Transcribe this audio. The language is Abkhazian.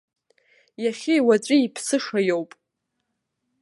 Иахьеи уаҵәи иԥсыша иоуп.